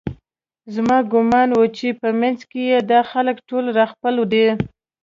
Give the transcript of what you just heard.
زما ګومان و چې په منځ کې یې دا خلک ټول راخپل دي